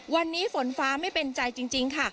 วันนี้ฝนฟ้าไม่เป็นใจจริงค่ะ